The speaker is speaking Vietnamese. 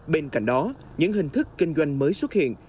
bên cạnh đó những hình thức kinh doanh mới xuất hiện